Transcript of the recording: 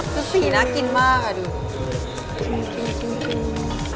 คือสีน่ากินมากอ่ะดู